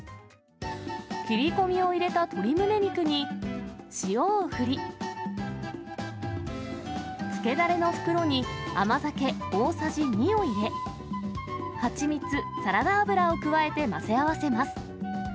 切り込みを入れた鶏むね肉に塩を振り、つけだれの袋に甘酒大さじ２を入れ、蜂蜜、サラダ油を加えて混ぜ合わせます。